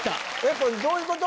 これどういうこと？